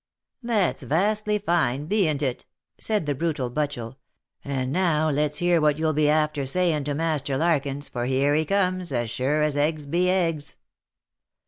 " That's vastly fine, beant it*?" said the brutal Butchel, " and now let's hear what you'll be after saying to Master Larkins, for here he comes, as sure as eggs be eggs."